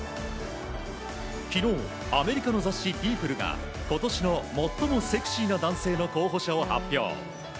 昨日、アメリカの雑誌「Ｐｅｏｐｌｅ」が今年の最もセクシーな男性の候補者を発表。